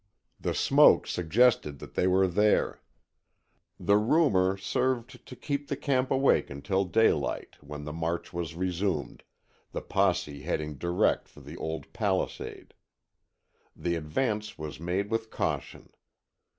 The smoke suggested that they were there. The rumor served to keep the camp awake until daylight, when the march was resumed, the posse heading direct for the old palisade. The advance was made with caution.